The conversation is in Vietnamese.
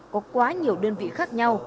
có quá nhiều đơn vị khác nhau